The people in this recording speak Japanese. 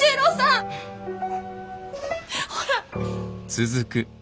ほら！